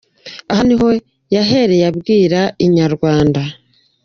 Aha niho yahereye abwira Inyarwanda.